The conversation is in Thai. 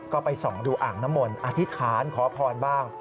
ก็ไปส่องดูอ่างน้ำมนอธิษฐานขอพรบ้าง